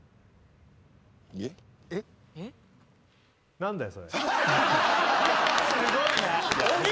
何だよ